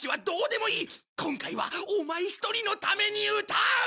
今回はオマエ一人のために歌う！